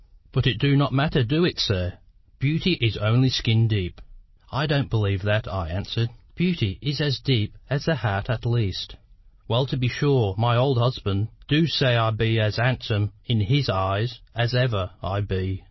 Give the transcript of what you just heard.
"But it du not matter, du it, sir? Beauty is only skin deep." "I don't believe that," I answered. "Beauty is as deep as the heart at least." "Well to be sure, my old husband du say I be as handsome in his eyes as ever I be.